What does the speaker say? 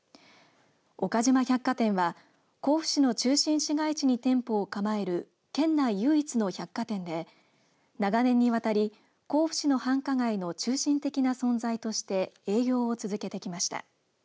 岡島百貨店は甲府市の中心市街地に店舗を構える県内唯一の百貨店で長年にわたり甲府市の繁華街の中心的な存在として営業を続けてきました。